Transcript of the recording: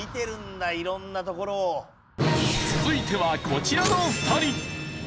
続いてはこちらの２人。